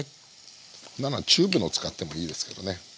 こんなのはチューブのを使ってもいいですけどね。